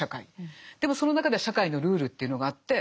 でもその中では社会のルールというのがあって。